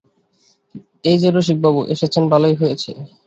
এই-যে রসিকবাবু এসেছেন ভালোই হয়েছে।